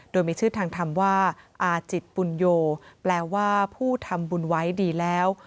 โดยมีชื่อทางธรรมว่าอาจิตปุญโยแปลว่าผู้ทำบุญไว้ดีแล้ว